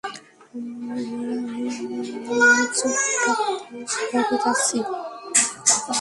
আমারা মাগীদের ঠাপাতে শিকাগো যাচ্ছি।